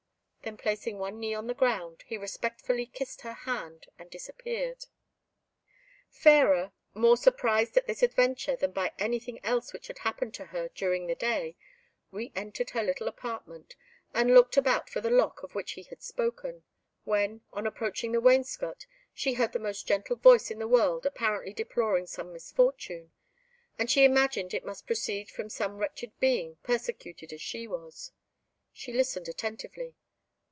Then placing one knee on the ground, he respectfully kissed her hand and disappeared. Fairer, more surprised at this adventure than at anything else which had happened to her during the day, re entered her little apartment, and looked about for the lock of which he had spoken, when, on approaching the wainscot, she heard the most gentle voice in the world apparently deploring some misfortune, and she imagined it must proceed from some wretched being persecuted as she was. She listened attentively.